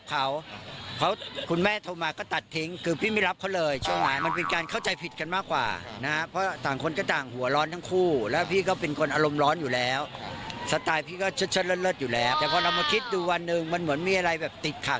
ก็คือพอมาเจอกันอะไรก็ดีขึ้นครับ